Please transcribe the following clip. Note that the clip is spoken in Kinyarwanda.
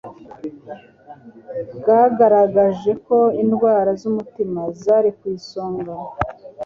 bwagaragaje ko indwara z'umutima zari ku isonga